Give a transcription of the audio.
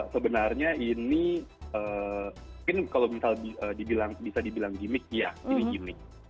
sebenarnya ini mungkin kalau misal bisa dibilang gimmick ya gini gini